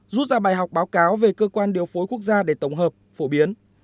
rút ra bài học báo cáo về cơ quan điều phối quốc gia để tổng hợp phổ biến